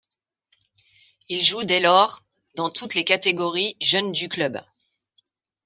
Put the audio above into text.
Il joue dès lors dans toutes les catégories jeunes du club.